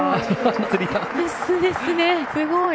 ナイスですね、すごい。